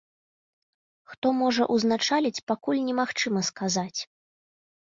Хто можа ўзначаліць пакуль не магчыма сказаць.